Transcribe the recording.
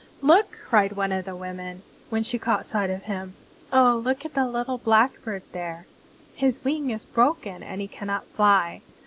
"Look!" cried one of the women, when she caught sight of him. "Oh, look at the little Blackbird there! His wing is broken and he cannot fly.